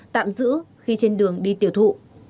tạm giữ khi trên đường đi tiểu thụ